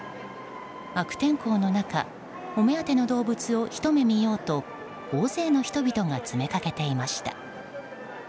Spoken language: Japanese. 悪天候の中お目当ての動物をひと目見ようと大勢の人々が詰めかけていました。